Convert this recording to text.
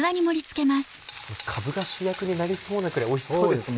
かぶが主役になりそうなくらいおいしそうですね。